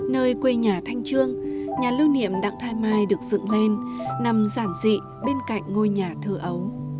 nơi quê nhà thanh trương nhà lưu niệm đặng thái mai được dựng lên nằm giản dị bên cạnh ngôi nhà thơ ấu